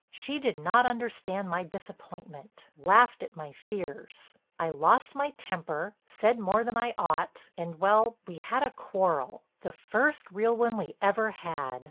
She did not understand my disappointment, laughed at my fears. I lost my temper, said more than I ought—and—well, we had a quarrel, the first real one we ever had.